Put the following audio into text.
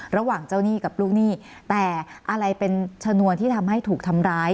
ระหว่างเจ้าหนี้กับลูกหนี้แต่อะไรเป็นชนวนที่ทำให้ถูกทำร้าย